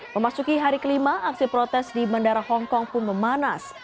memasuki hari kelima aksi protes di bandara hongkong pun memanas